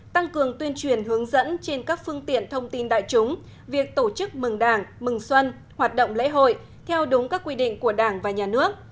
tăng cường tuyên truyền hướng dẫn trên các phương tiện thông tin đại chúng việc tổ chức mừng đảng mừng xuân hoạt động lễ hội theo đúng các quy định của đảng và nhà nước